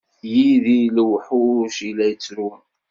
Yid-i lewḥuc i la ttrun.